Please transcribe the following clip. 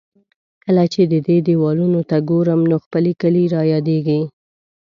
کله چې د دې دېوالونو ته ګورم، نو خپل کلی را یادېږي.